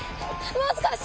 もう少し！